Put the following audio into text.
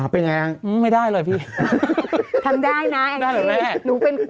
เป็นอย่างไรนะอืมไม่ได้เลยพี่ทำได้นะแองซี่ได้เลยแม่